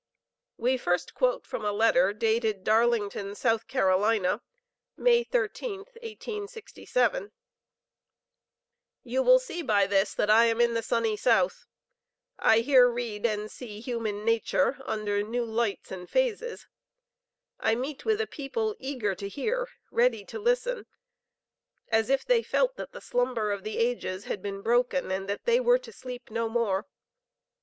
We first quote from a letter dated Darlington, S.C., May 13, 1867: "You will see by this that I am in the sunny South.... I here read and see human nature under new lights and phases. I meet with a people eager to hear, ready to listen, as if they felt that the slumber of the ages had been broken, and that they were to sleep no more....